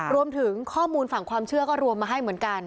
รวมถึงข้อมูลฝั่งความเชื่อก็รวมมาให้เหมือนกัน